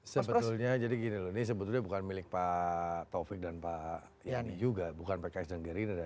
sebetulnya jadi gini loh ini sebetulnya bukan milik pak taufik dan pak yani juga bukan pks dan gerindra